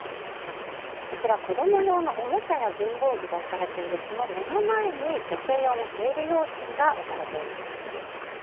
こちら、子供用のおもちゃや文房具が置かれているその目の前に女性用の生理用品が置かれています。